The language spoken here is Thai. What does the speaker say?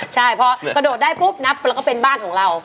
ใช่พอกระโดดได้ปุ๊บนับแล้วก็เป็นบ้านของเรา